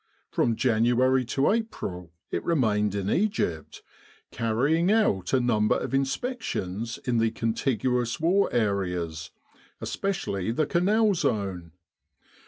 From January to April it remained in Egypt, carrying out a number of inspec tions in the contiguous war areas, especially the Canal zone.